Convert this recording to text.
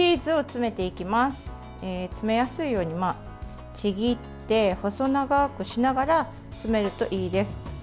詰めやすいようにちぎって細長くしながら詰めるといいです。